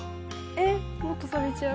えっもっとサビちゃう。